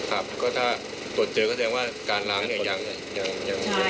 แล้วถ้าตรวจเจอก็แสดงว่าการล้างเนี่ยยังไม่เข้าไป